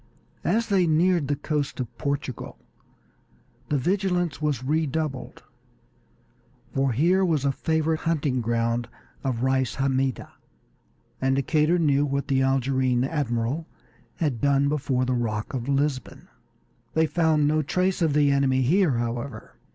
As they neared the coast of Portugal the vigilance was redoubled, for here was a favorite hunting ground of Reis Hammida, and Decatur knew what the Algerine admiral had done before the Rock of Lisbon. They found no trace of the enemy here, however.